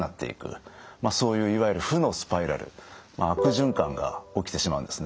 まあそういういわゆる負のスパイラル悪循環が起きてしまうんですね。